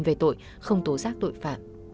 về tội không tố giác tội phạm